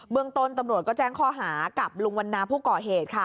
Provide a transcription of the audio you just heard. เมืองต้นตำรวจก็แจ้งข้อหากับลุงวันนาผู้ก่อเหตุค่ะ